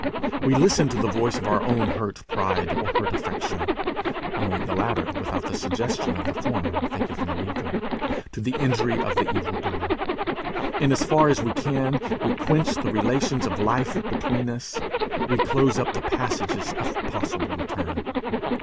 We listen to the voice of our own hurt pride or hurt affection (only the latter without the suggestion of the former, thinketh no evil) to the injury of the evil doer. In as far as we can, we quench the relations of life between us; we close up the passages of possible return.